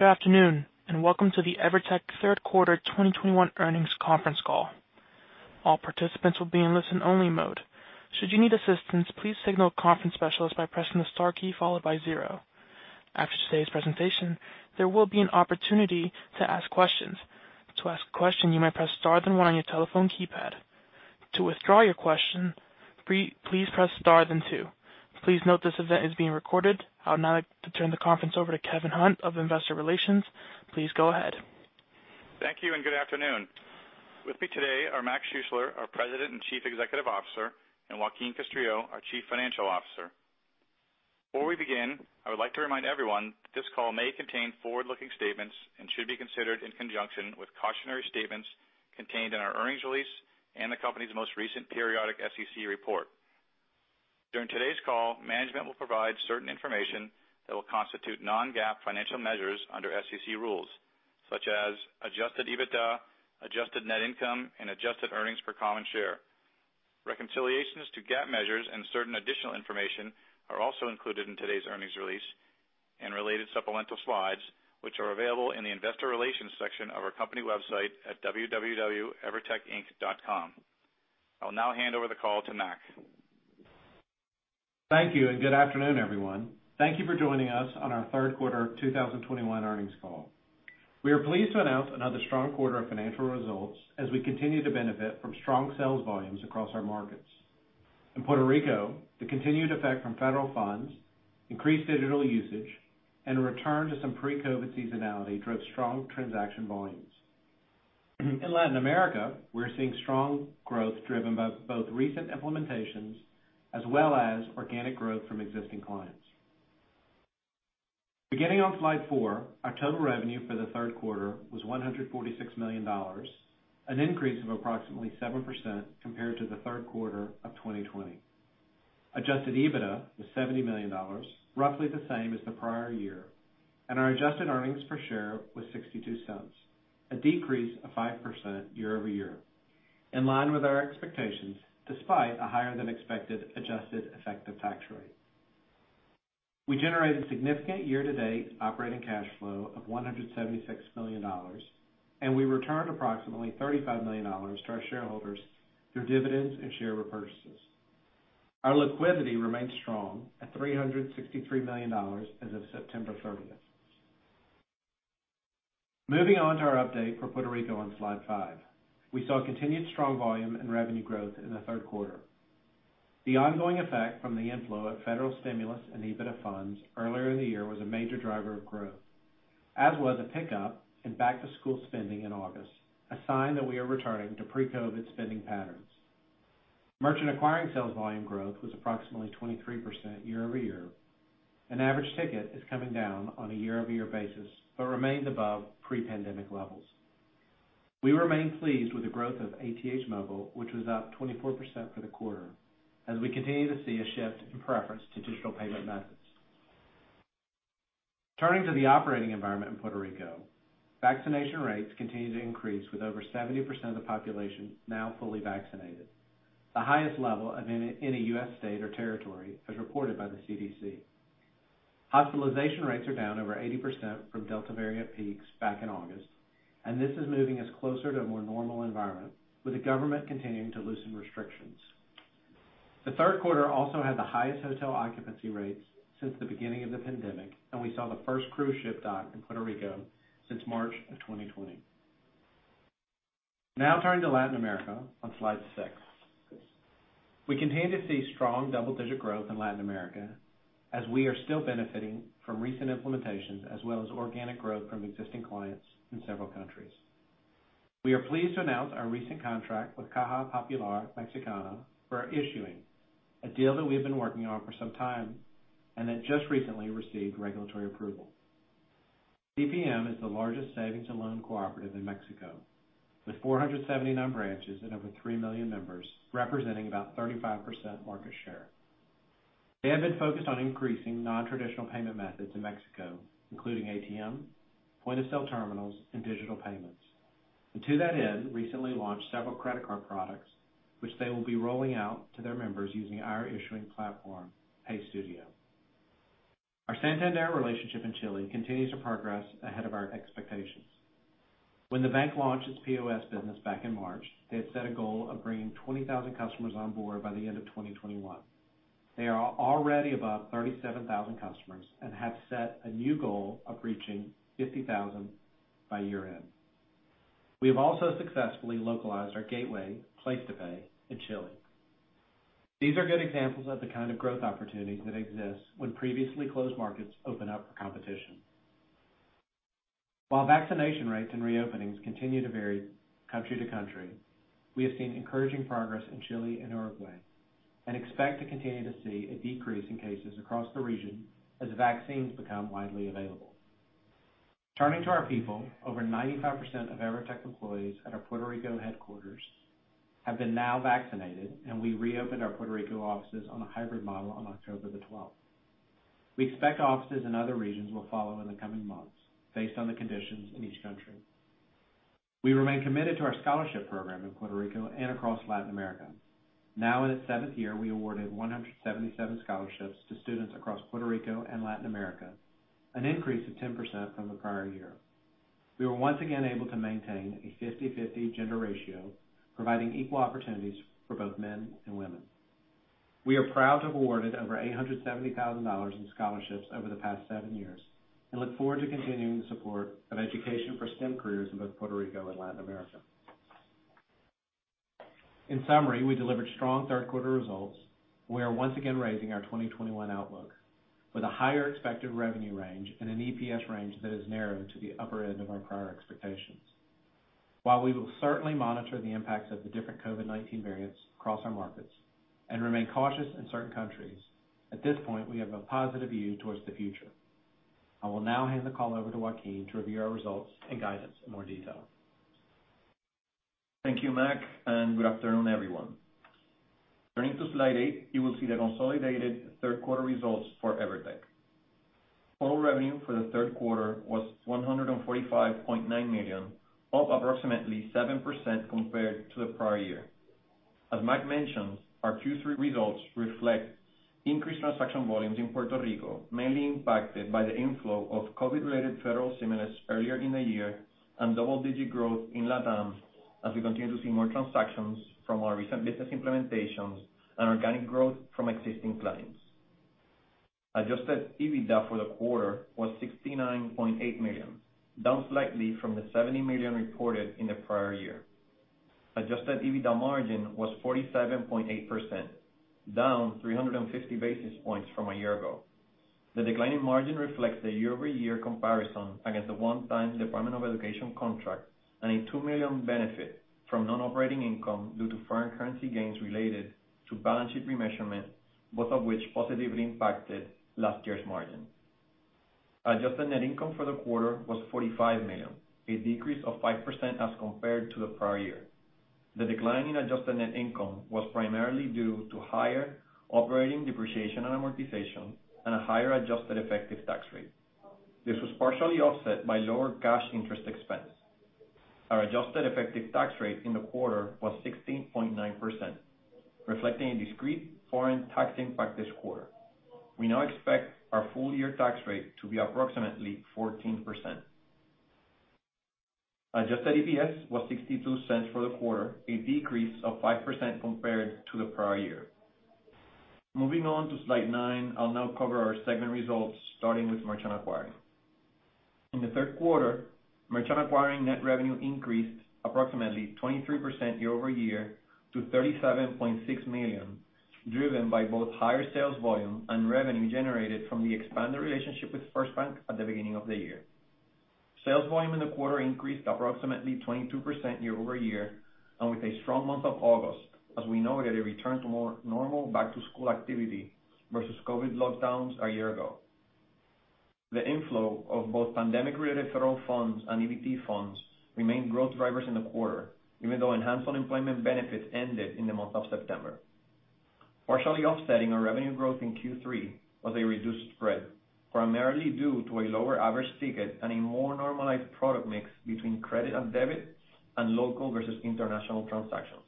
Good afternoon, and welcome to the EVERTEC Q3 2021 Earnings Conference Call. All participants will be in listen-only mode. Should you need assistance, please signal a conference specialist by pressing the star key followed by zero. After today's presentation, there will be an opportunity to ask questions. To ask a question, you may press star then one on your telephone keypad. To withdraw your question, please press star then two. Please note this event is being recorded. I would now like to turn the conference over to Kevin Hunt of Investor Relations. Please go ahead. Thank you, and good afternoon. With me today are Mac Schuessler, our President and Chief Executive Officer, and Joaquin Castrillo, our Chief Financial Officer. Before we begin, I would like to remind everyone that this call may contain forward-looking statements and should be considered in conjunction with cautionary statements contained in our earnings release and the company's most recent periodic SEC report. During today's call, management will provide certain information that will constitute non-GAAP financial measures under SEC rules, such as adjusted EBITDA, adjusted net income, and adjusted earnings per common share. Reconciliations to GAAP measures and certain additional information are also included in today's earnings release and related supplemental slides, which are available in the Investor Relations section of our company website at www.evertecinc.com. I'll now hand over the call to Mac. Thank you, and good afternoon, everyone. Thank you for joining us on our Q3 2021 Earnings Call. We are pleased to announce another strong quarter of financial results as we continue to benefit from strong sales volumes across our markets. In Puerto Rico, the continued effect from federal funds, increased digital usage, and a return to some pre-COVID seasonality drove strong transaction volumes. In Latin America, we're seeing strong growth driven by both recent implementations as well as organic growth from existing clients. Beginning on slide 4, our total revenue for the Q3 was $146 million, an increase of approximately 7% compared to the Q3 of 2020. Adjusted EBITDA was $70 million, roughly the same as the prior year, and our adjusted earnings per share was $0.62, a decrease of 5% year-over-year, in line with our expectations despite a higher than expected adjusted effective tax rate. We generated significant year-to-date operating cash flow of $176 million, and we returned approximately $35 million to our shareholders through dividends and share repurchases. Our liquidity remains strong at $363 million as of September 30. Moving on to our update for Puerto Rico on slide 5. We saw continued strong volume and revenue growth in the Q3. The ongoing effect from the inflow of federal stimulus and EBITDA funds earlier in the year was a major driver of growth, as was a pickup in back-to-school spending in August, a sign that we are returning to pre-COVID spending patterns. Merchant acquiring sales volume growth was approximately 23% year-over-year, and average ticket is coming down on a year-over-year basis, but remains above pre-pandemic levels. We remain pleased with the growth of ATH Móvil, which was up 24% for the quarter, as we continue to see a shift in preference to digital payment methods. Turning to the operating environment in Puerto Rico, vaccination rates continue to increase, with over 70% of the population now fully vaccinated, the highest level of any U.S. state or territory as reported by the CDC. Hospitalization rates are down over 80% from Delta variant peaks back in August, and this is moving us closer to a more normal environment, with the government continuing to loosen restrictions. The Q3 also had the highest hotel occupancy rates since the beginning of the pandemic, and we saw the first cruise ship dock in Puerto Rico since March 2020. Now turning to Latin America on slide 6. We continue to see strong double-digit growth in Latin America as we are still benefiting from recent implementations as well as organic growth from existing clients in several countries. We are pleased to announce our recent contract with Caja Popular Mexicana for issuing a deal that we have been working on for some time and that just recently received regulatory approval. CPM is the largest savings and loan cooperative in Mexico, with 479 branches and over 3 million members, representing about 35% market share. They have been focused on increasing non-traditional payment methods in Mexico, including ATMs, point-of-sale terminals, and digital payments, and to that end, recently launched several credit card products which they will be rolling out to their members using our issuing platform, PayStudio. Our Santander relationship in Chile continues to progress ahead of our expectations. When the bank launched its POS business back in March, they had set a goal of bringing 20,000 customers on board by the end of 2021. They are already above 37,000 customers and have set a new goal of reaching 50,000 by year-end. We have also successfully localized our gateway PlacetoPay in Chile. These are good examples of the kind of growth opportunities that exist when previously closed markets open up for competition. While vaccination rates and reopening continue to vary country to country, we have seen encouraging progress in Chile and Uruguay and expect to continue to see a decrease in cases across the region as vaccines become widely available. Turning to our people, over 95% of EVERTEC employees at our Puerto Rico headquarters have been now vaccinated, and we reopened our Puerto Rico offices on a hybrid model on October 12th. We expect offices in other regions will follow in the coming months based on the conditions in each country. We remain committed to our scholarship program in Puerto Rico and across Latin America. Now in its seventh year, we awarded 177 scholarships to students across Puerto Rico and Latin America, an increase of 10% from the prior year. We were once again able to maintain a 50/50 gender ratio, providing equal opportunities for both men and women. We are proud to have awarded over $870,000 in scholarships over the past seven years and look forward to continuing the support of education for STEM careers in both Puerto Rico and Latin America. In summary, we delivered strong Q3 results. We are once again raising our 2021 outlook with a higher expected revenue range and an EPS range that is narrowed to the upper end of our prior expectations. While we will certainly monitor the impacts of the different COVID-19 variants across our markets and remain cautious in certain countries, at this point, we have a positive view towards the future. I will now hand the call over to Joaquin to review our results and guidance in more detail. Thank you, Mac, and good afternoon, everyone. Turning to slide 8, you will see the consolidated Q3 results for EVERTEC. Total revenue for the Q3 was $145.9 million, up approximately 7% compared to the prior year. As Mac mentioned, our Q3 results reflect increased transaction volumes in Puerto Rico, mainly impacted by the inflow of COVID-related federal stimulus earlier in the year and double-digit growth in LatAm as we continue to see more transactions from our recent business implementations and organic growth from existing clients. Adjusted EBITDA for the quarter was $69.8 million, down slightly from the $70 million reported in the prior year. Adjusted EBITDA margin was 47.8%, down 350 basis points from a year ago. The decline in margin reflects the year-over-year comparison against the one-time Department of Education contract and a $2 million benefit from non-operating income due to foreign currency gains related to balance sheet remeasurement, both of which positively impacted last year's margin. Adjusted net income for the quarter was $45 million, a decrease of 5% as compared to the prior year. The decline in adjusted net income was primarily due to higher operating depreciation and amortization and a higher adjusted effective tax rate. This was partially offset by lower cash interest expense. Our adjusted effective tax rate in the quarter was 16.9%, reflecting a discrete foreign tax impact this quarter. We now expect our full year tax rate to be approximately 14%. Adjusted EPS was $0.62 for the quarter, a decrease of 5% compared to the prior year. Moving on to slide 9, I'll now cover our segment results, starting with merchant acquiring. In the Q3, merchant acquiring net revenue increased approximately 23% year-over-year to $37.6 million, driven by both higher sales volume and revenue generated from the expanded relationship with FirstBank at the beginning of the year. Sales volume in the quarter increased approximately 22% year-over-year, with a strong month of August, as we noted a return to more normal back-to-school activity versus COVID lockdowns a year ago. The inflow of both pandemic-related federal funds and EBT funds remained growth drivers in the quarter, even though enhanced unemployment benefits ended in the month of September. Partially offsetting our revenue growth in Q3 was a reduced spread, primarily due to a lower average ticket and a more normalized product mix between credit and debit and local versus international transactions.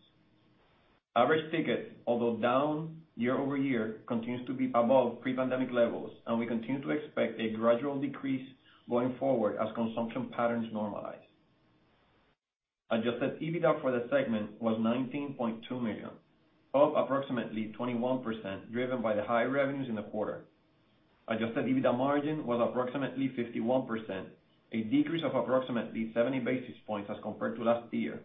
Average ticket, although down year-over-year, continues to be above pre-pandemic levels, and we continue to expect a gradual decrease going forward as consumption patterns normalize. Adjusted EBITDA for the segment was $19.2 million, up approximately 21% driven by the higher revenues in the quarter. Adjusted EBITDA margin was approximately 51%, a decrease of approximately 70 basis points as compared to last year,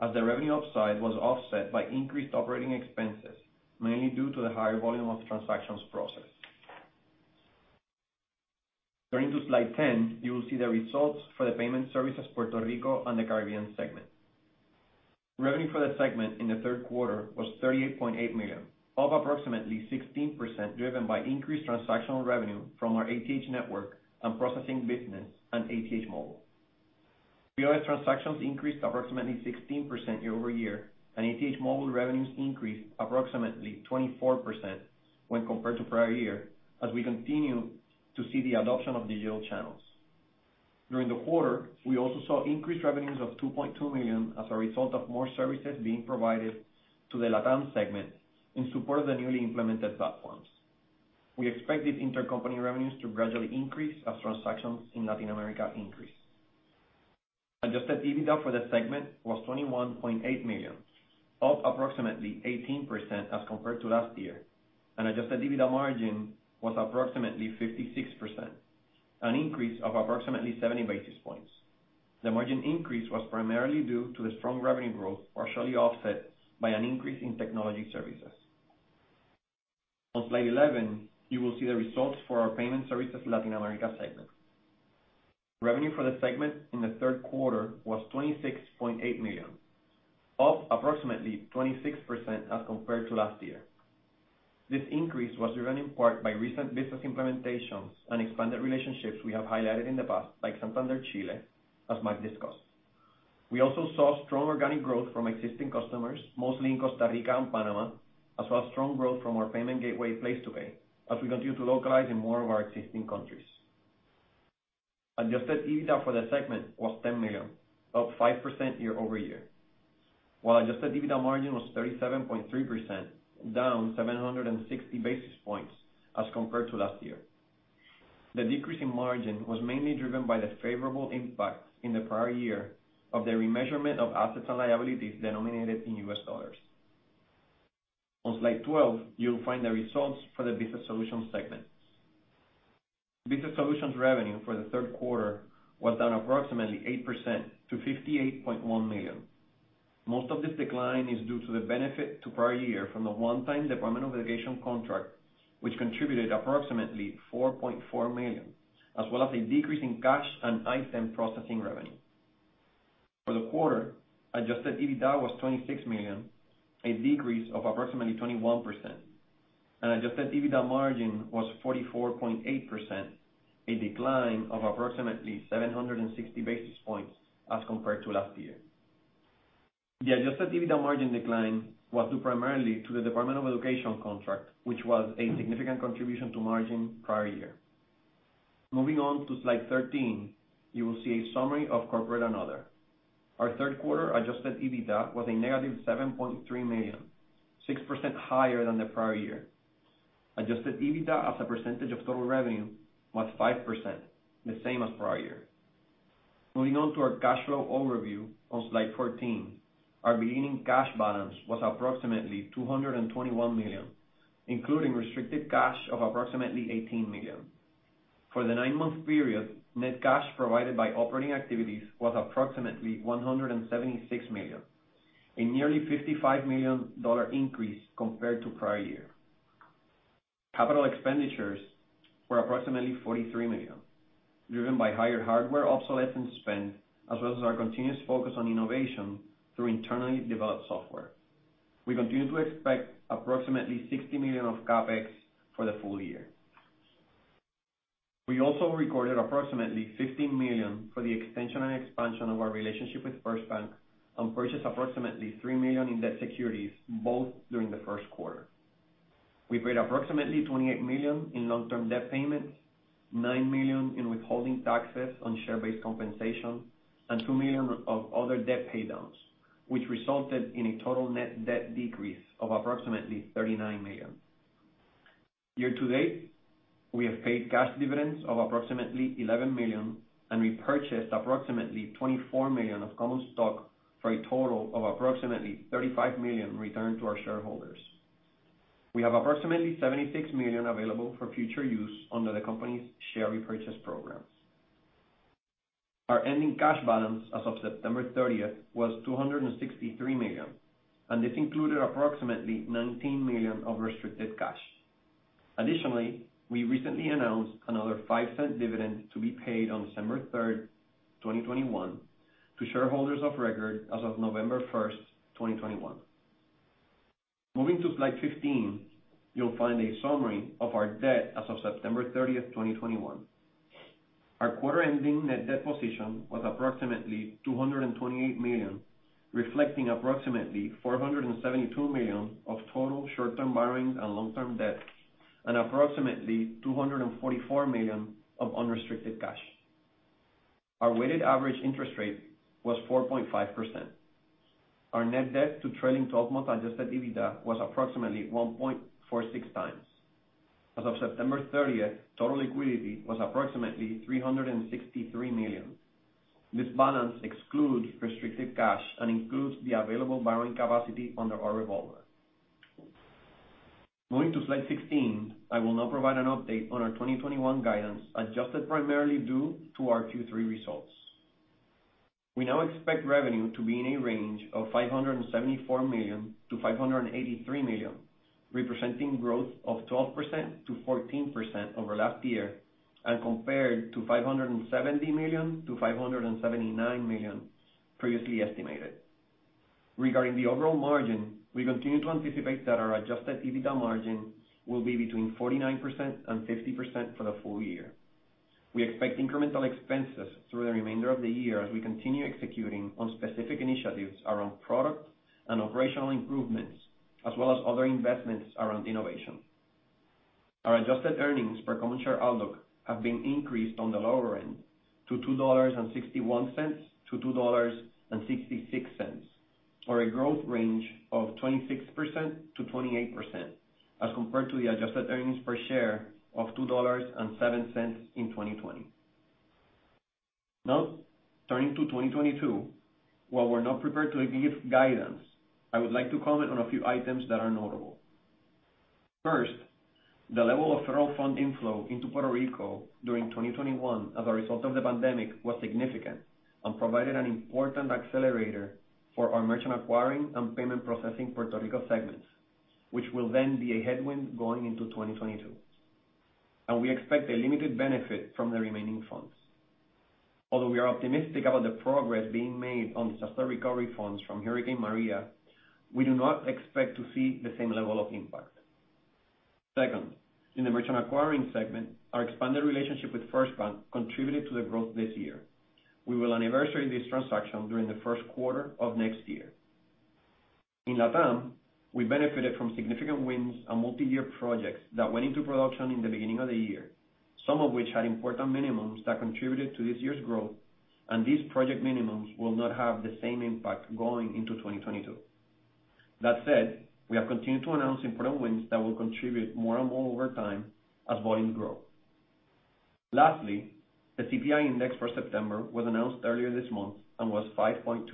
as the revenue upside was offset by increased operating expenses, mainly due to the higher volume of transactions processed. Turning to slide 10, you will see the results for the payment services - Puerto Rico & Caribbean segment. Revenue for the segment in the Q3 was $38.8 million, up approximately 16% driven by increased transactional revenue from our ATH Network and processing business and ATH Móvil. POS transactions increased approximately 16% year-over-year, and ATH Móvil revenues increased approximately 24% when compared to prior year as we continue to see the adoption of digital channels. During the quarter, we also saw increased revenues of $2.2 million as a result of more services being provided to the LatAm segment in support of the newly implemented platforms. We expect these intercompany revenues to gradually increase as transactions in Latin America increase. Adjusted EBITDA for the segment was $21.8 million, up approximately 18% as compared to last year, and adjusted EBITDA margin was approximately 56%, an increase of approximately 70 basis points. The margin increase was primarily due to the strong revenue growth, partially offset by an increase in technology services. On slide 11, you will see the results for our payment services - Latin America segment. Revenue for the segment in the Q3 was $26.8 million, up approximately 26% as compared to last year. This increase was driven in part by recent business implementations and expanded relationships we have highlighted in the past, like Santander Chile, as Mac discussed. We also saw strong organic growth from existing customers, mostly in Costa Rica and Panama, as well as strong growth from our payment gateway, PlacetoPay, as we continue to localize in more of our existing countries. Adjusted EBITDA for the segment was $10 million, up 5% year-over-year. While adjusted EBITDA margin was 37.3%, down 760 basis points as compared to last year. The decrease in margin was mainly driven by the favorable impacts in the prior year of the remeasurement of assets and liabilities denominated in U.S. dollars. On slide 12, you'll find the results for the business solutions segment. Business solutions revenue for the Q3 was down approximately 8% to $58.1 million. Most of this decline is due to the benefit to prior year from the one-time Department of Education contract, which contributed approximately $4.4 million, as well as a decrease in cash and item processing revenue. For the quarter, adjusted EBITDA was $26 million, a decrease of approximately 21%, and adjusted EBITDA margin was 44.8%, a decline of approximately 760 basis points as compared to last year. The adjusted EBITDA margin decline was due primarily to the Department of Education contract, which was a significant contribution to margin prior year. Moving on to slide 13, you will see a summary of corporate and other. Our Q3 adjusted EBITDA was -$7.3 million, 6% higher than the prior year. Adjusted EBITDA as a percentage of total revenue was 5%, the same as prior year. Moving on to our cash flow overview on slide 14. Our beginning cash balance was approximately $221 million, including restricted cash of approximately $18 million. For the nine-month period, net cash provided by operating activities was approximately $176 million, a nearly $55 million increase compared to prior year. Capital expenditures were approximately $43 million, driven by higher hardware obsolescence spend, as well as our continuous focus on innovation through internally developed software. We continue to expect approximately $60 million of CapEx for the full year. We also recorded approximately $15 million for the extension and expansion of our relationship with FirstBank and purchased approximately $3 million in debt securities, both during the Q1. We paid approximately $28 million in long-term debt payments, $9 million in withholding taxes on share-based compensation, and $2 million of other debt pay downs, which resulted in a total net debt decrease of approximately $39 million. Year to date, we have paid cash dividends of approximately $11 million, and repurchased approximately $24 million of common stock, for a total of approximately $35 million returned to our shareholders. We have approximately $76 million available for future use under the company's share repurchase programs. Our ending cash balance as of September 30 was $263 million, and this included approximately $19 million of restricted cash. Additionally, we recently announced another $0.05 dividend to be paid on December 3, 2021, to shareholders of record as of November 1, 2021. Moving to slide 15, you'll find a summary of our debt as of September 30, 2021. Our quarter-ending net debt position was approximately $228 million, reflecting approximately $472 million of total short-term borrowings and long-term debts, and approximately $244 million of unrestricted cash. Our weighted average interest rate was 4.5%. Our net debt to trailing 12-month adjusted EBITDA was approximately 1.46x. As of September 30th, total liquidity was approximately $363 million. This balance excludes restricted cash and includes the available borrowing capacity under our revolver. Moving to slide 16. I will now provide an update on our 2021 guidance, adjusted primarily due to our Q3 results. We now expect revenue to be in a range of $574 million to $583 million, representing growth of 12% to 14% over last year, and compared to $570 million to $579 million previously estimated. Regarding the overall margin, we continue to anticipate that our adjusted EBITDA margin will be between 49% to 50% for the full year. We expect incremental expenses through the remainder of the year as we continue executing on specific initiatives around product and operational improvements, as well as other investments around innovation. Our adjusted earnings per common share outlook have been increased on the lower end to $2.61 to $2.66, or a growth range of 26% to 28%, as compared to the adjusted earnings per share of $2.07 in 2020. Now, turning to 2022. While we're not prepared to give guidance, I would like to comment on a few items that are notable. First, the level of federal fund inflow into Puerto Rico during 2021 as a result of the pandemic was significant and provided an important accelerator for our merchant acquiring and payment processing Puerto Rico segments, which will then be a headwind going into 2022, and we expect a limited benefit from the remaining funds. Although we are optimistic about the progress being made on disaster recovery funds from Hurricane Maria, we do not expect to see the same level of impact. Second, in the merchant acquiring segment, our expanded relationship with FirstBank contributed to the growth this year. We will anniversary this transaction during the Q1 of next year. In LatAm, we benefited from significant wins on multiyear projects that went into production in the beginning of the year, some of which had important minimums that contributed to this year's growth, and these project minimums will not have the same impact going into 2022. That said, we have continued to announce important wins that will contribute more and more over time as volumes grow. Lastly, the CPI index for September was announced earlier this month and was 5.2%.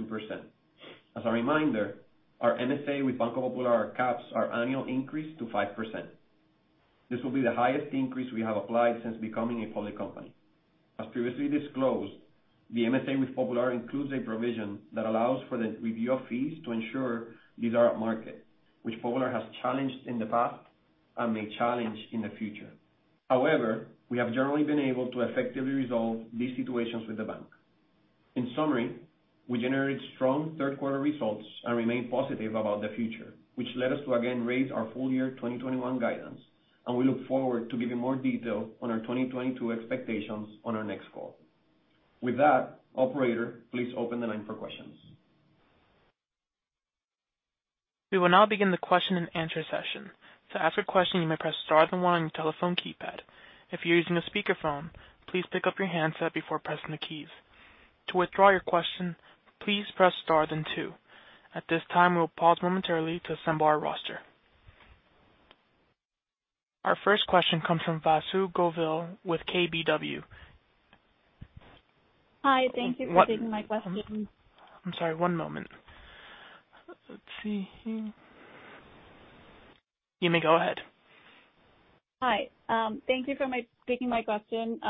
As a reminder, our MSA with Banco Popular caps our annual increase to 5%. This will be the highest increase we have applied since becoming a public company. As previously disclosed, the MSA with Popular includes a provision that allows for the review of fees to ensure these are at market, which Popular has challenged in the past and may challenge in the future. However, we have generally been able to effectively resolve these situations with the bank. In summary, we generated strong Q3 results and remain positive about the future, which led us to again raise our full year 2021 guidance, and we look forward to giving more detail on our 2022 expectations on our next call. With that, operator, please open the line for questions. We will now begin the question and answer session. To ask a question, you may press star then one on your telephone keypad. If you're using a speakerphone, please pick up your handset before pressing the keys. To withdraw your question, please press star then two. At this time, we'll pause momentarily to assemble our roster. Our first question comes from Vasu Govil with KBW. Hi. Thank you for taking my question. I'm sorry, one moment. Let's see here. You may go ahead. Hi, thank you for taking my question.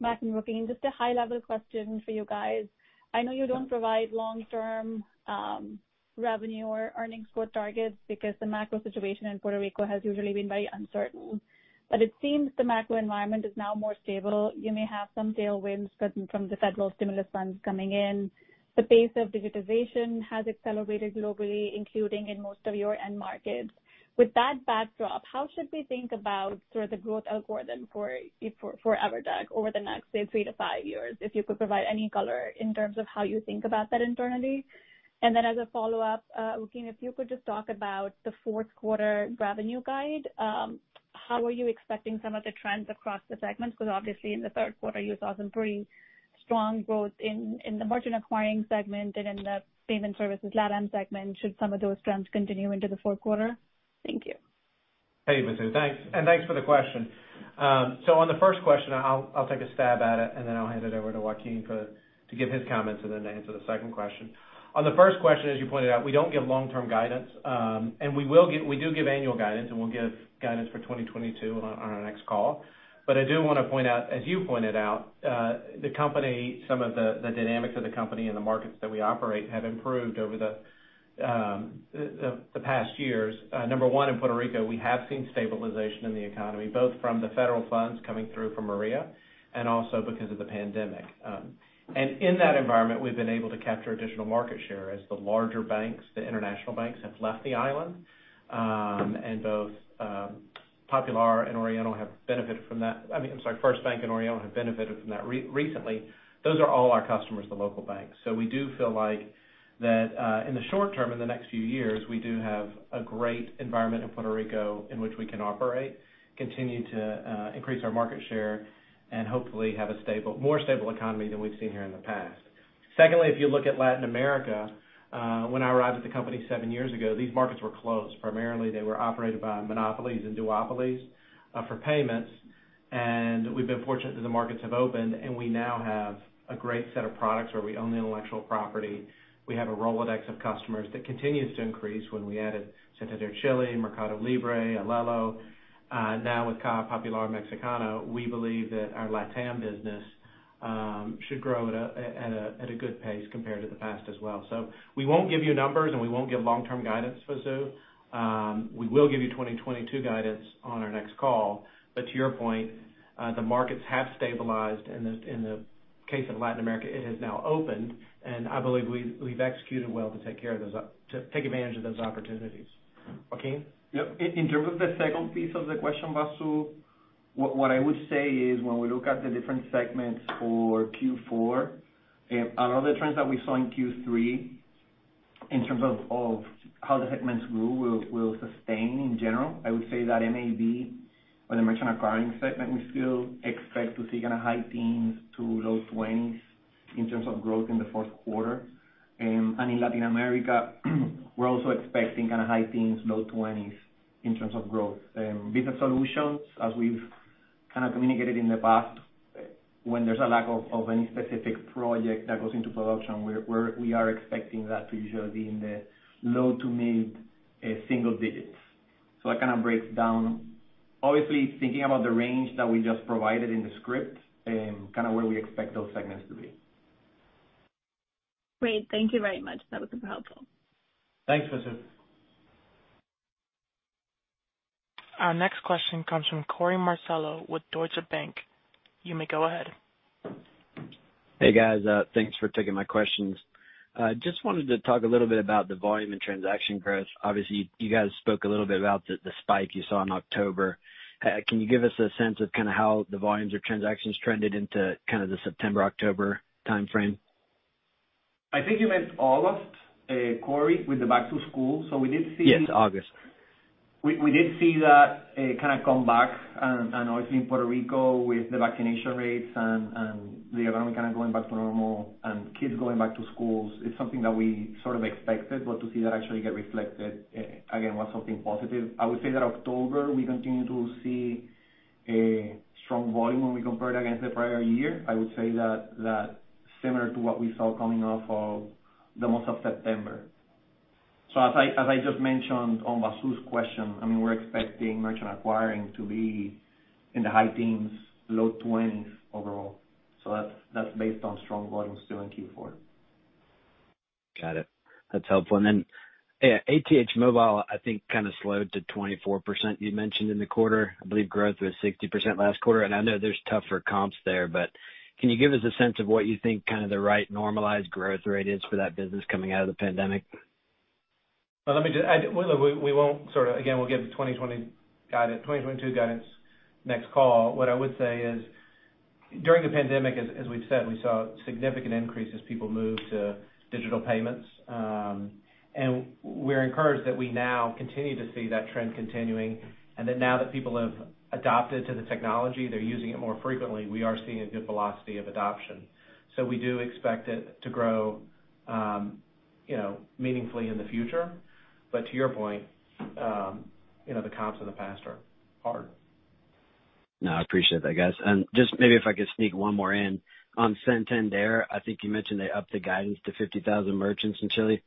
Mac and Joaquin, just a high-level question for you guys. I know you don't provide long-term revenue or earnings growth targets because the macro situation in Puerto Rico has usually been very uncertain. It seems the macro environment is now more stable. You may have some tailwinds from the federal stimulus funds coming in. The pace of digitization has accelerated globally, including in most of your end markets. With that backdrop, how should we think about sort of the growth algorithm for EVERTEC over the next, say, three to five years? If you could provide any color in terms of how you think about that internally. As a follow-up, Joaquin, if you could just talk about the Q4 revenue guide, how are you expecting some of the trends across the segments? Because obviously in the Q3 you saw some pretty strong growth in the merchant acquiring segment and in the payment services LatAm segment. Should some of those trends continue into the Q4? Thank you. Hey, Vasu. Thanks, and thanks for the question. So on the first question, I'll take a stab at it, and then I'll hand it over to Joaquin to give his comments and then to answer the second question. On the first question, as you pointed out, we don't give long-term guidance, and we do give annual guidance, and we'll give guidance for 2022 on our next call. I do wanna point out, as you pointed out, the company, some of the dynamics of the company and the markets that we operate have improved over the past years. Number one, in Puerto Rico, we have seen stabilization in the economy, both from the federal funds coming through from Maria and also because of the pandemic. In that environment, we've been able to capture additional market share as the larger banks, the international banks, have left the island, and both Popular and Oriental have benefited from that. I mean, I'm sorry, FirstBank and Oriental have benefited from that recently. Those are all our customers, the local banks. We do feel like that, in the short term, in the next few years, we do have a great environment in Puerto Rico in which we can operate, continue to increase our market share, and hopefully have a more stable economy than we've seen here in the past. Secondly, if you look at Latin America, when I arrived at the company seven years ago, these markets were closed. Primarily, they were operated by monopolies and duopolies for payments. We've been fortunate that the markets have opened, and we now have a great set of products where we own the intellectual property. We have a Rolodex of customers that continues to increase when we added Getnet Chile, Mercado Libre, Alelo. Now with Caja Popular Mexicana, we believe that our LatAm business should grow at a good pace compared to the past as well. We won't give you numbers, and we won't give long-term guidance, Vasu. We will give you 2022 guidance on our next call. To your point, the markets have stabilized. In the case of Latin America, it has now opened, and I believe we've executed well to take advantage of those opportunities. Joaquin? Yep. In terms of the second piece of the question, Vasu, what I would say is when we look at the different segments for Q4, a lot of the trends that we saw in Q3 in terms of how the segments grew will sustain in general. I would say that MAB, or the merchant acquiring segment, we still expect to see kind of high teens to low 20s in terms of growth in the Q4. In Latin America, we're also expecting kind of high teens, low 20s in terms of growth. Business Solutions, as we've kind of communicated in the past, when there's a lack of any specific project that goes into production, we are expecting that to usually be in the low to mid single digits. That kind of breaks down, obviously, thinking about the range that we just provided in the script, kind of where we expect those segments to be. Great. Thank you very much. That was super helpful. Thanks, Vasu. Our next question comes from Korey Marcello with Deutsche Bank. You may go ahead. Hey, guys. Thanks for taking my questions. Just wanted to talk a little bit about the volume and transaction growth. Obviously, you guys spoke a little bit about the spike you saw in October. Can you give us a sense of kind of how the volumes or transactions trended into kind of the September to October timeframe? I think you meant August, Korey, with the back to school. We did see- Yes, August. We did see that kind of come back. Obviously in Puerto Rico with the vaccination rates and the economy kind of going back to normal and kids going back to schools, it's something that we sort of expected to see that actually get reflected again was something positive. I would say that October, we continued to see a strong volume when we compared against the prior year. I would say that's similar to what we saw coming off of the month of September. As I just mentioned on Vasu's question, I mean, we're expecting Merchant Acquiring to be in the high teens, low twenties overall. That's based on strong volumes still in Q4. Got it. That's helpful. Yeah, ATH Móvil I think kinda slowed to 24% you'd mentioned in the quarter. I believe growth was 60% last quarter, and I know there's tougher comps there. Can you give us a sense of what you think kinda the right normalized growth rate is for that business coming out of the pandemic? Well, let me just add. Again, we'll give the 2022 guidance next call. What I would say is during the pandemic, as we've said, we saw significant increase as people moved to digital payments. We're encouraged that we now continue to see that trend continuing, and that now that people have adapted to the technology, they're using it more frequently. We are seeing a good velocity of adoption. We do expect it to grow, you know, meaningfully in the future. To your point, you know, the comps of the past are hard. I appreciate that, guys. Just maybe if I could sneak one more in. On Santander, I think you mentioned they upped the guidance to 50,000 merchants in Chile.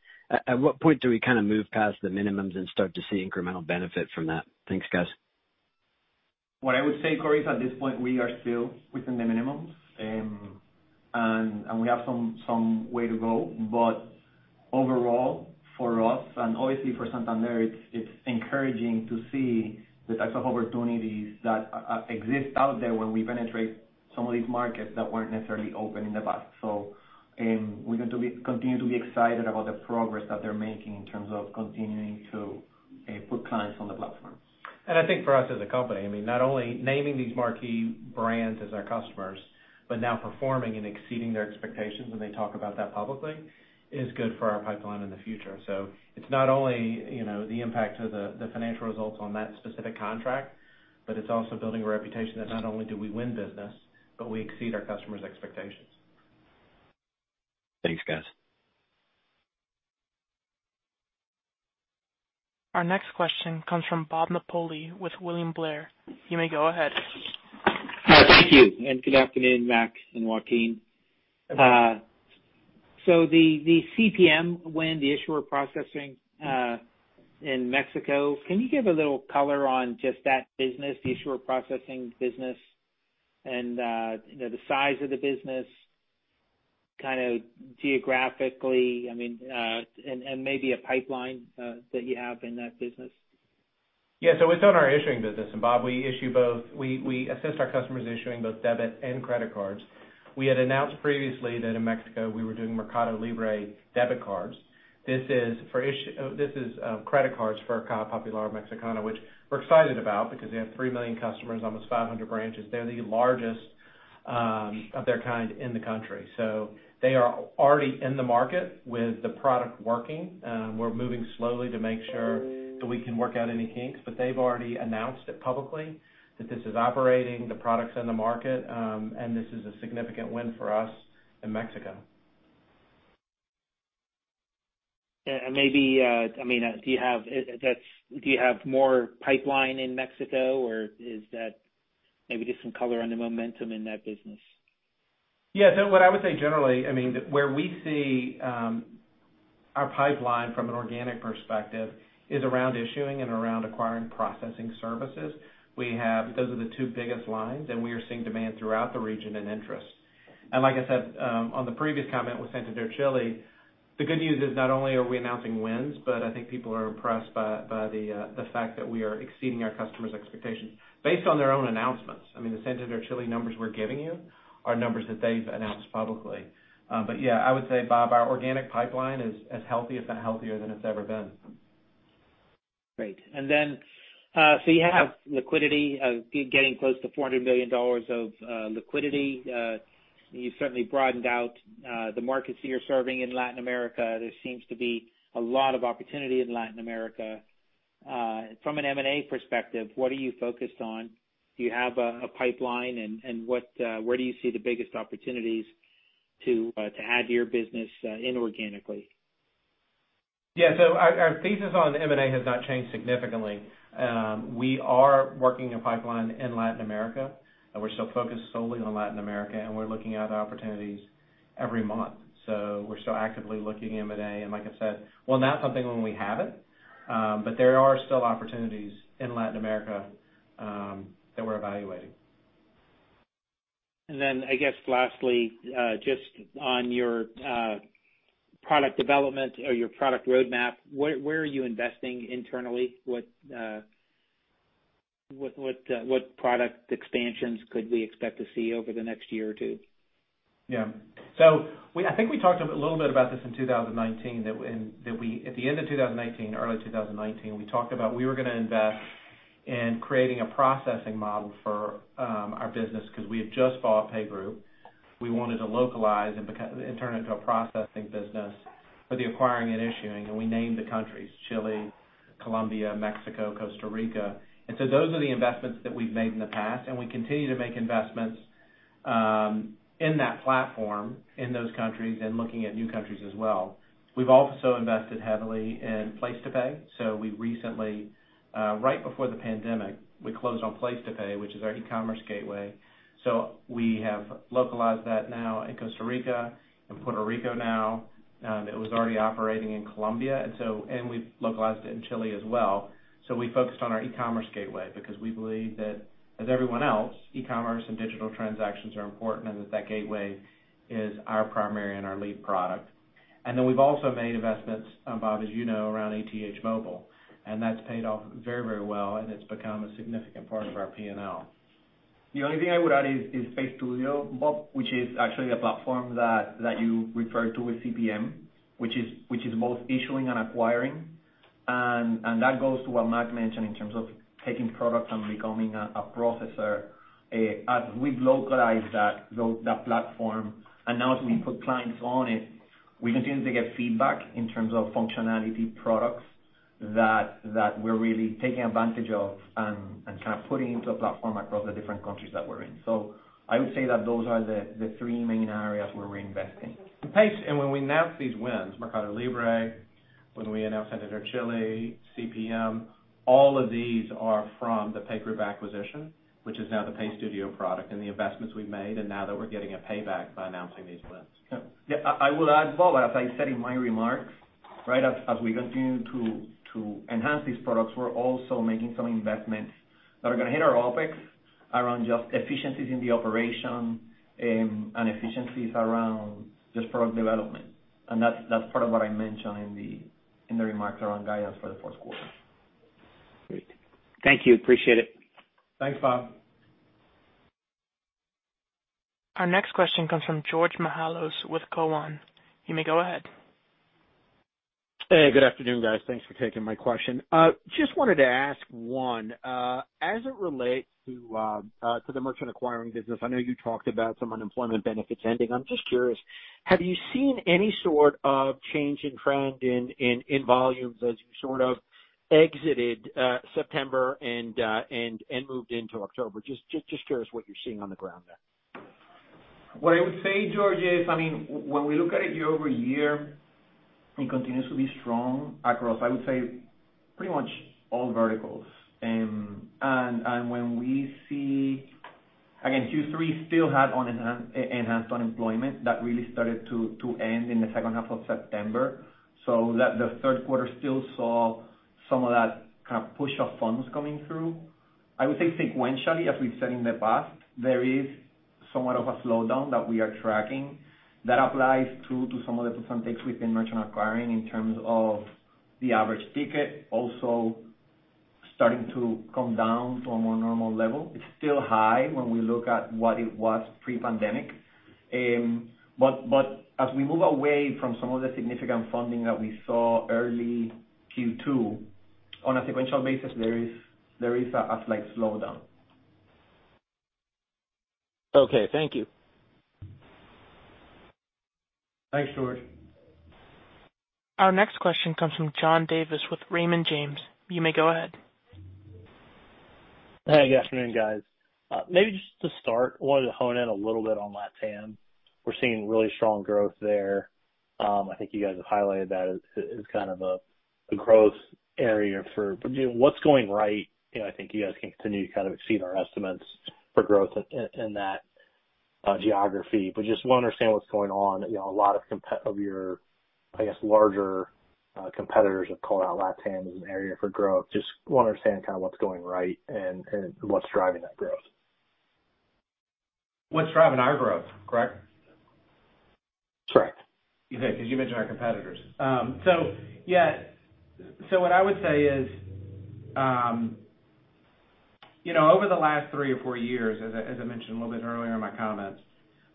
At what point do we kinda move past the minimums and start to see incremental benefit from that? Thanks, guys. What I would say, Korey, is at this point, we are still within the minimums. We have some way to go. Overall, for us and obviously for Santander, it's encouraging to see the types of opportunities that exist out there when we penetrate some of these markets that weren't necessarily open in the past. We're going to continue to be excited about the progress that they're making in terms of continuing to put clients on the platform. I think for us as a company, I mean, not only naming these marquee brands as our customers, but now performing and exceeding their expectations, and they talk about that publicly, is good for our pipeline in the future. It's not only, you know, the impact to the financial results on that specific contract, but it's also building a reputation that not only do we win business, but we exceed our customers' expectations. Thanks, guys. Our next question comes from Bob Napoli with William Blair. You may go ahead. Hi. Thank you, and good afternoon, Mac and Joaquin. The CPM win, the issuer processing in Mexico, can you give a little color on just that business, the issuer processing business and, you know, the size of the business kinda geographically, I mean, and maybe a pipeline that you have in that business? Yeah. It's on our issuing business. Bob, we assist our customers issuing both debit and credit cards. We had announced previously that in Mexico we were doing Mercado Libre debit cards. This is credit cards for Caja Popular Mexicana, which we're excited about because they have 3 million customers, almost 500 branches. They're the largest of their kind in the country. They are already in the market with the product working. We're moving slowly to make sure that we can work out any kinks, but they've already announced it publicly that this is operating, the product's in the market, and this is a significant win for us in Mexico. Maybe, I mean, do you have more pipeline in Mexico or is that maybe just some color on the momentum in that business? Yeah. What I would say generally, I mean, where we see our pipeline from an organic perspective is around issuing and around acquiring processing services. We have those are the two biggest lines, and we are seeing demand throughout the region and interest. Like I said, on the previous comment with Santander Chile, the good news is not only are we announcing wins, but I think people are impressed by the fact that we are exceeding our customers' expectations based on their own announcements. I mean, the Santander Chile numbers we're giving you are numbers that they've announced publicly. Yeah, I would say, Bob, our organic pipeline is as healthy, if not healthier than it's ever been. Great. You have liquidity getting close to $400 million of liquidity. You've certainly broadened out the markets that you're serving in Latin America. There seems to be a lot of opportunity in Latin America. From an M&A perspective, what are you focused on? Do you have a pipeline and where do you see the biggest opportunities to add your business inorganically? Yeah. Our thesis on M&A has not changed significantly. We are working a pipeline in Latin America, and we're still focused solely on Latin America, and we're looking at opportunities every month. We're still actively looking M&A, and like I said, we'll announce something when we have it. But there are still opportunities in Latin America that we're evaluating. I guess lastly, just on your product development or your product roadmap, where are you investing internally? What product expansions could we expect to see over the next year or two? I think we talked a little bit about this in 2019, at the end of 2019, early 2019, we talked about we were gonna invest and creating a processing model for our business because we had just bought PayGroup. We wanted to localize and turn it into a processing business for the acquiring and issuing. We named the countries Chile, Colombia, Mexico, Costa Rica. Those are the investments that we've made in the past, and we continue to make investments in that platform, in those countries and looking at new countries as well. We have also invested heavily in PlacetoPay. We recently, right before the pandemic, closed on PlacetoPay, which is our e-commerce gateway. We have localized that now in Costa Rica and Puerto Rico now, and it was already operating in Colombia, and we've localized it in Chile as well. We focused on our e-commerce gateway because we believe that, as everyone else, e-commerce and digital transactions are important and that that gateway is our primary and our lead product. We've also made investments, Bob, as you know, around ATH Móvil, and that's paid off very, very well and it's become a significant part of our P&L. The only thing I would add is PayStudio, Bob, which is actually a platform that you referred to with CPM, which is both issuing and acquiring. That goes to what Mac mentioned in terms of taking products and becoming a processor. As we've localized that platform, and now as we put clients on it, we continue to get feedback in terms of functionality products that we're really taking advantage of and kind of putting into a platform across the different countries that we're in. I would say that those are the three main areas where we're investing. When we announce these wins, Mercado Libre, when we announce Santander Chile, CPM, all of these are from the PayGroup acquisition, which is now the PayStudio product and the investments we've made, and now that we're getting a payback by announcing these wins. Yeah, I will add, Bob, as I said in my remarks, right? As we continue to enhance these products, we're also making some investments that are gonna hit our OpEx around just efficiencies in the operation, and efficiencies around just product development. That's part of what I mentioned in the remarks around guidance for the Q4. Great. Thank you. Appreciate it. Thanks, Bob. Our next question comes from George Mihalos with Cowen. You may go ahead. Hey, good afternoon, guys. Thanks for taking my question. Just wanted to ask, as it relates to the merchant acquiring business, I know you talked about some unemployment benefits ending. I'm just curious, have you seen any sort of change in trend in volumes as you sort of exited September and moved into October? Just curious what you're seeing on the ground there. What I would say, George, is, I mean, when we look at it year-over-year, it continues to be strong across, I would say, pretty much all verticals. And when we see, again, Q3 still had enhanced unemployment that really started to end in the H2 of September. That the Q3 still saw some of that kind of push of funds coming through. I would say sequentially, as we've said in the past, there is somewhat of a slowdown that we are tracking. That applies to some of the gives and takes within Merchant Acquiring in terms of the average ticket also starting to come down to a more normal level. It's still high when we look at what it was pre-pandemic. As we move away from some of the significant funding that we saw early Q2, on a sequential basis, there is a slight slowdown. Okay, thank you. Thanks, George. Our next question comes from John Davis with Raymond James. You may go ahead. Hey, good afternoon, guys. Maybe just to start, wanted to hone in a little bit on LatAm. We're seeing really strong growth there. I think you guys have highlighted that as kind of a growth area for, you know, what's going right? You know, I think you guys can continue to kind of exceed our estimates for growth in that geography. Just wanna understand what's going on. You know, a lot of your, I guess, larger competitors have called out LatAm as an area for growth. Just wanna understand kind of what's going right and what's driving that growth. What's driving our growth, correct? That's correct. Okay, because you mentioned our competitors. What I would say is, you know, over the last three or four years, as I mentioned a little bit earlier in my comments,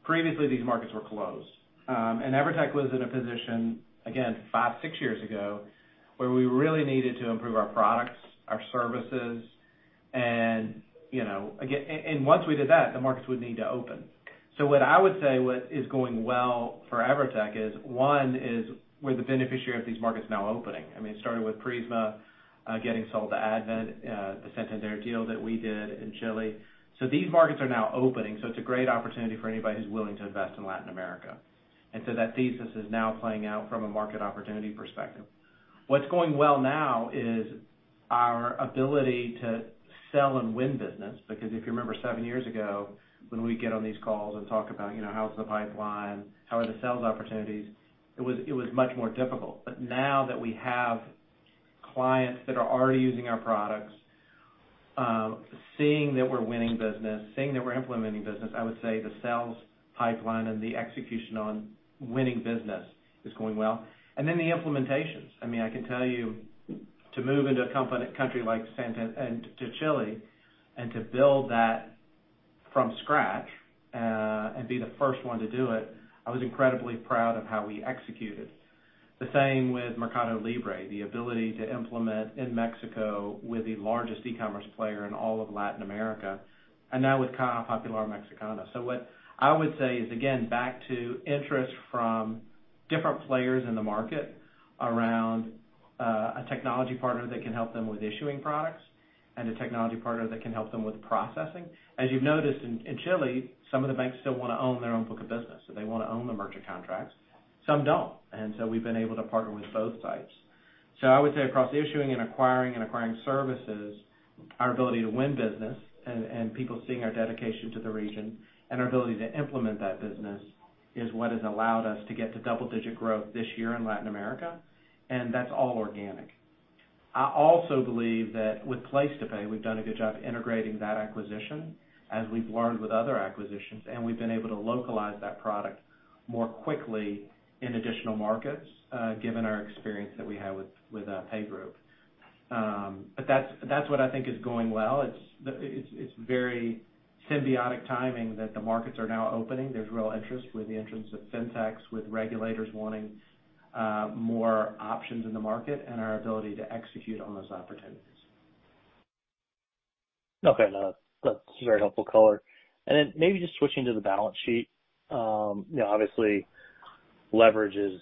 previously these markets were closed. EVERTEC was in a position, again, five, six years ago, where we really needed to improve our products, our services, and, you know, again, and once we did that, the markets would need to open. What I would say is going well for EVERTEC is, one, we're the beneficiary of these markets now opening. I mean, it started with Prisma getting sold to Advent, the Getnet deal that we did in Chile. These markets are now opening, so it's a great opportunity for anybody who's willing to invest in Latin America. That thesis is now playing out from a market opportunity perspective. What's going well now is our ability to sell and win business. Because if you remember seven years ago, when we get on these calls and talk about, you know, how's the pipeline, how are the sales opportunities, it was much more difficult. But now that we have clients that are already using our products, seeing that we're winning business, seeing that we're implementing business, I would say the sales pipeline and the execution on winning business is going well. Then the implementations. I mean, I can tell you to move into a country like Central America and to Chile and to build that from scratch, and be the first one to do it, I was incredibly proud of how we executed. The same with Mercado Libre, the ability to implement in Mexico with the largest e-commerce player in all of Latin America, and now with Caja Popular Mexicana. What I would say is, again, back to interest from different players in the market around a technology partner that can help them with issuing products and a technology partner that can help them with processing. As you've noticed in Chile, some of the banks still wanna own their own book of business, so they wanna own the merchant contracts. Some don't, and so we've been able to partner with both sides. I would say across issuing and acquiring and acquiring services, our ability to win business and people seeing our dedication to the region and our ability to implement that business is what has allowed us to get to double-digit growth this year in Latin America, and that's all organic. I also believe that with PlacetoPay, we've done a good job integrating that acquisition as we've learned with other acquisitions, and we've been able to localize that product more quickly in additional markets, given our experience that we have with PayGroup. That's what I think is going well. It's very symbiotic timing that the markets are now opening. There's real interest with the entrance of fintechs, with regulators wanting more options in the market and our ability to execute on those opportunities. Okay. No, that's a very helpful color. Maybe just switching to the balance sheet. Obviously leverage is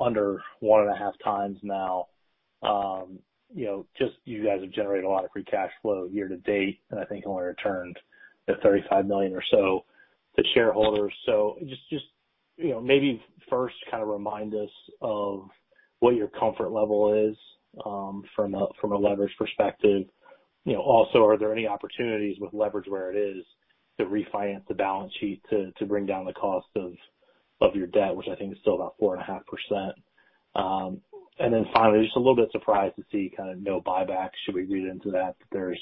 under 1.5x now. You guys have generated a lot of free cash flow year to date, and I think only returned $35 million or so to shareholders. Just you know, maybe first kind of remind us of what your comfort level is from a leverage perspective. Also, are there any opportunities with leverage where it is to refinance the balance sheet to bring down the cost of your debt, which I think is still about 4.5%? Finally, just a little bit surprised to see kind of no buybacks. Should we read into that there's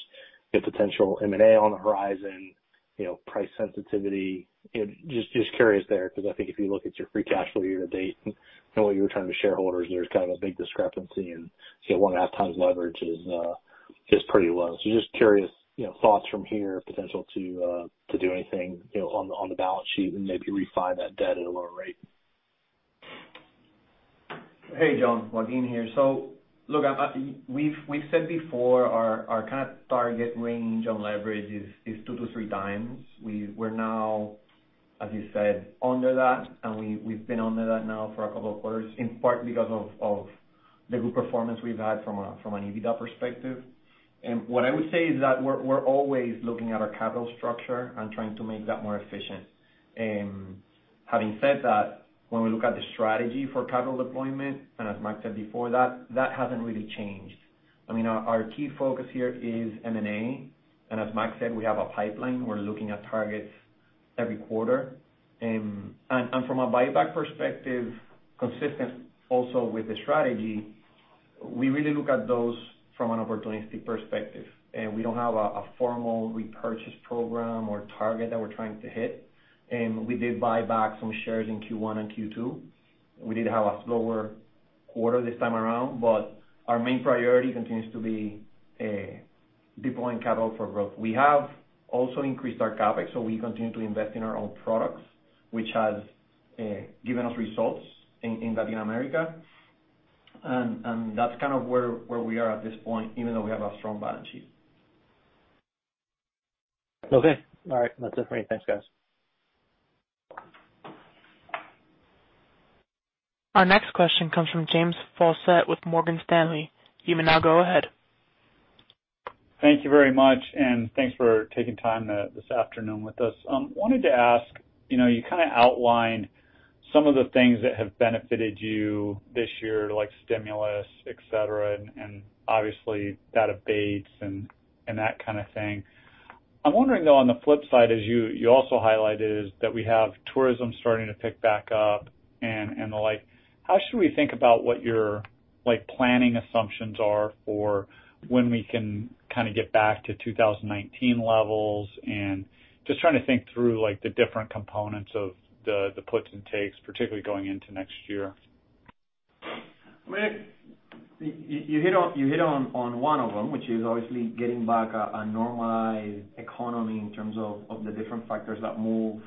a potential M&A on the horizon, you know, price sensitivity? You know, just curious there, because I think if you look at your free cash flow year to date and what you return to shareholders, there's kind of a big discrepancy, and say 1.5x leverage is pretty low. Just curious, you know, thoughts from here, potential to do anything, you know, on the balance sheet and maybe refi that debt at a lower rate. Hey, John. Joaquin here. Look, we've said before our kind of target range on leverage is 2x to 3x. We're now, as you said, under that, and we've been under that now for a couple of quarters, in part because of the good performance we've had from an EBITDA perspective. What I would say is that we're always looking at our capital structure and trying to make that more efficient. Having said that, when we look at the strategy for capital deployment, and as Mac said before that hasn't really changed. I mean, our key focus here is M&A, and as Mac said, we have a pipeline. We're looking at targets every quarter. From a buyback perspective, consistent also with the strategy, we really look at those from an opportunistic perspective. We don't have a formal repurchase program or target that we're trying to hit. We did buy back some shares in Q1 and Q2. We did have a slower quarter this time around, but our main priority continues to be deploying capital for growth. We have also increased our CapEx, so we continue to invest in our own products, which has given us results in Latin America. That's kind of where we are at this point, even though we have a strong balance sheet. Okay. All right. That's it for me. Thanks, guys. Our next question comes from James Faucette with Morgan Stanley. You may now go ahead. Thank you very much, and thanks for taking time this afternoon with us. Wanted to ask, you know, you kind of outlined some of the things that have benefited you this year, like stimulus, et cetera, and obviously debit rates and that kind of thing. I'm wondering, though, on the flip side, as you also highlighted is that we have tourism starting to pick back up and the like. How should we think about what your, like, planning assumptions are for when we can kind of get back to 2019 levels? Just trying to think through, like, the different components of the puts and takes, particularly going into next year. I mean, you hit on one of them, which is obviously getting back a normalized economy in terms of the different factors that move,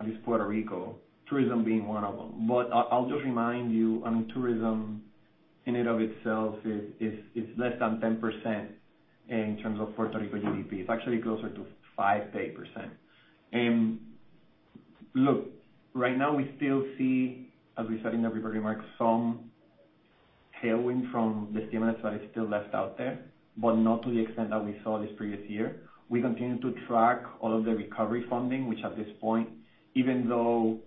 at least Puerto Rico, tourism being one of them. I'll just remind you, I mean, tourism in and of itself is less than 10% in terms of Puerto Rico GDP. It's actually closer to 5% to 8%. Look, right now we still see, as we said in the prepared remarks, some tailwind from the stimulus that is still left out there, but not to the extent that we saw this previous year. We continue to track all of the recovery funding, which at this point, even though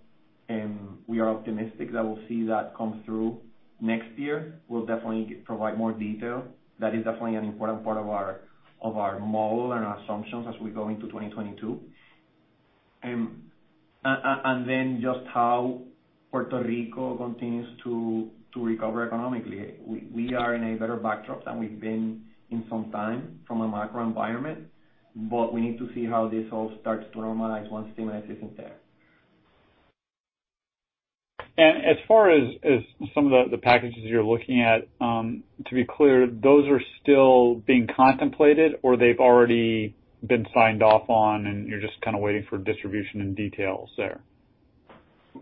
we are optimistic that we'll see that come through next year, we'll definitely provide more detail. That is definitely an important part of our model and our assumptions as we go into 2022. Just how Puerto Rico continues to recover economically. We are in a better backdrop than we've been in some time from a macro environment, but we need to see how this all starts to normalize once stimulus isn't there. As far as some of the packages you're looking at, to be clear, those are still being contemplated or they've already been signed off on and you're just kind of waiting for distribution and details there?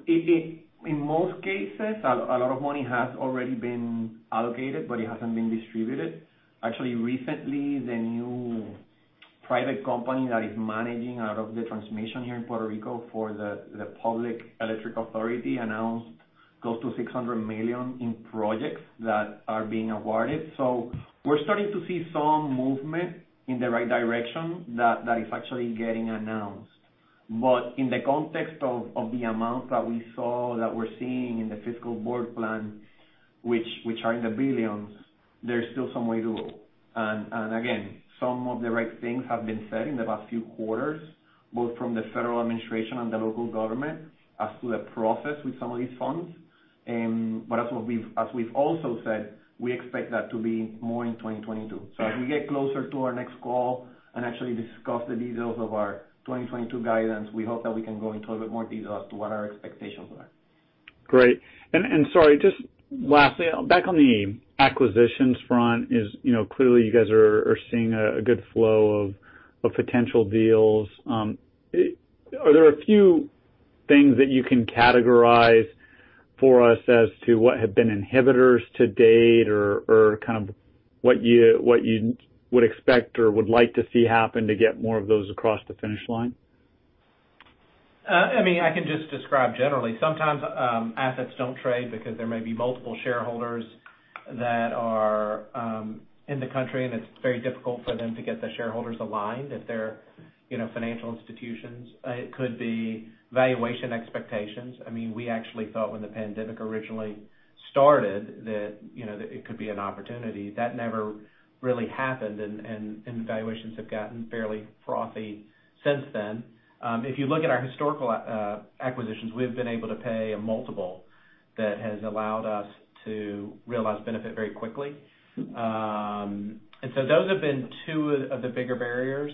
In most cases, a lot of money has already been allocated, but it hasn't been distributed. Actually, recently, the new private company that is managing out of the transformation here in Puerto Rico for the public electric authority announced close to $600 million in projects that are being awarded. We're starting to see some movement in the right direction that is actually getting announced. In the context of the amount that we saw, that we're seeing in the fiscal board plan, which are in the billions, there's still some way to go. Again, some of the right things have been said in the past few quarters, both from the federal administration and the local government as to the process with some of these funds. As we've also said, we expect that to be more in 2022. As we get closer to our next call and actually discuss the details of our 2022 guidance, we hope that we can go into a little bit more detail as to what our expectations are. Great. Sorry, just lastly, back on the acquisitions front, you know, clearly you guys are seeing a good flow of potential deals. Are there a few things that you can categorize for us as to what have been inhibitors to date or kind of what you would expect or would like to see happen to get more of those across the finish line? I mean, I can just describe generally. Sometimes, assets don't trade because there may be multiple shareholders that are in the country, and it's very difficult for them to get the shareholders aligned if they're, you know, financial institutions. It could be valuation expectations. I mean, we actually thought when the pandemic originally started that, you know, that it could be an opportunity. That never really happened and valuations have gotten fairly frothy since then. If you look at our historical acquisitions, we've been able to pay a multiple that has allowed us to realize benefit very quickly. Those have been two of the bigger barriers.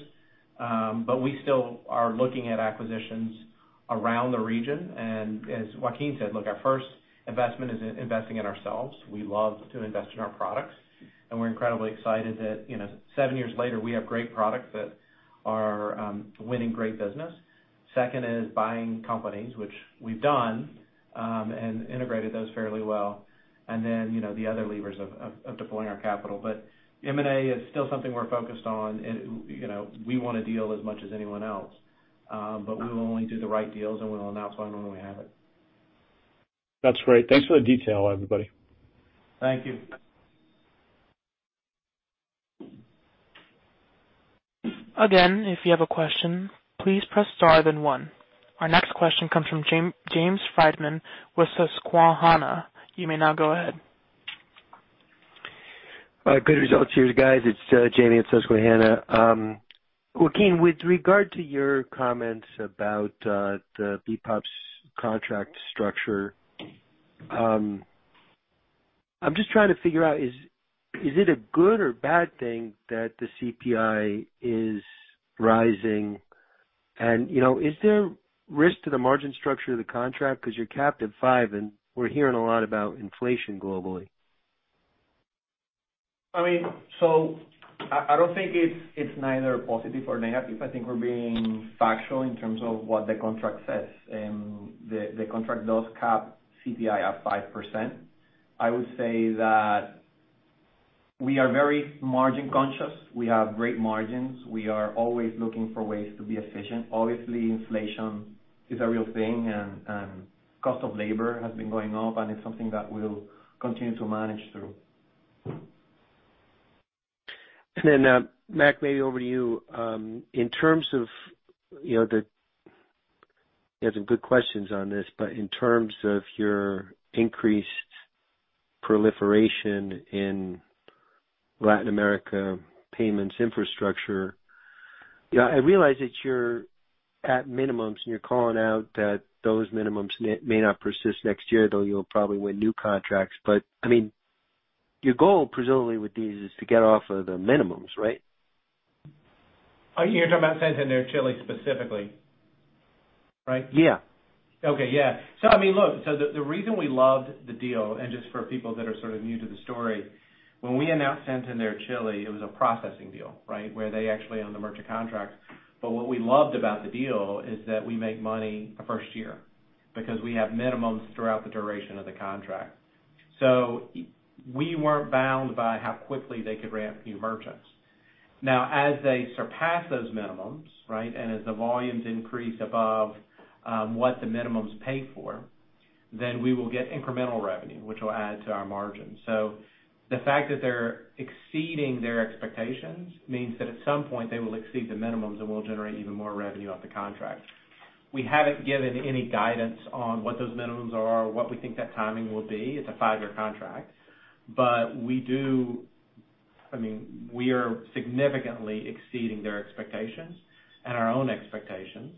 We still are looking at acquisitions around the region. As Joaquin said, look, our first investment is in investing in ourselves. We love to invest in our products, and we're incredibly excited that, you know, seven years later, we have great products that are winning great business. Second is buying companies, which we've done, and integrated those fairly well. Then, you know, the other levers of deploying our capital. M&A is still something we're focused on and, you know, we want to deal as much as anyone else. We will only do the right deals and we'll announce when we have it. That's great. Thanks for the detail, everybody. Thank you. Again, if you have a question, please press star then one. Our next question comes from James Friedman with Susquehanna. You may now go ahead. Good results to you guys. It's Jamie at Susquehanna. Joaquin, with regard to your comments about the BPOP's contract structure, I'm just trying to figure out, is it a good or bad thing that the CPI is rising? You know, is there risk to the margin structure of the contract 'cause you're capped at 5, and we're hearing a lot about inflation globally? I mean, I don't think it's neither positive or negative. I think we're being factual in terms of what the contract says. The contract does cap CPI at 5%. I would say that we are very margin conscious. We have great margins. We are always looking for ways to be efficient. Obviously, inflation is a real thing and cost of labor has been going up, and it's something that we'll continue to manage through. Mac, maybe over to you. In terms of, you know, you have some good questions on this, but in terms of your increased proliferation in Latin America payments infrastructure, yeah, I realize that you're at minimums and you're calling out that those minimums may not persist next year, though you'll probably win new contracts. But I mean, your goal presumably with these is to get off of the minimums, right? You're talking about Santander Chile specifically, right? Yeah. Okay. Yeah, the reason we loved the deal and just for people that are sort of new to the story, when we announced Getnet Chile, it was a processing deal, right? Where they actually own the merchant contracts. What we loved about the deal is that we make money the first year because we have minimums throughout the duration of the contract. We weren't bound by how quickly they could ramp new merchants. Now, as they surpass those minimums, right? As the volumes increase above what the minimums paid for, then we will get incremental revenue, which will add to our margins. The fact that they're exceeding their expectations means that at some point, they will exceed the minimums, and we'll generate even more revenue off the contract. We haven't given any guidance on what those minimums are or what we think that timing will be. It's a five-year contract. We do. I mean, we are significantly exceeding their expectations and our own expectations.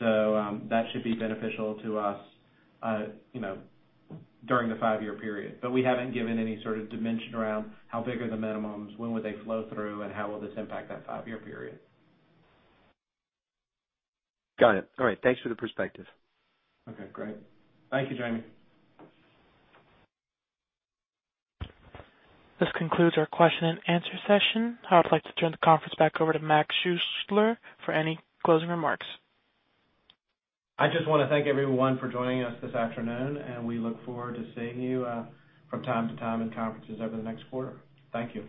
That should be beneficial to us, you know, during the five-year period. We haven't given any sort of dimension around how big are the minimums, when would they flow through, and how will this impact that five-year period. Got it. All right. Thanks for the perspective. Okay, great. Thank you, James. This concludes our question and answer session. I would like to turn the conference back over to Mac Schuessler for any closing remarks. I just wanna thank everyone for joining us this afternoon, and we look forward to seeing you from time to time in conferences over the next quarter. Thank you.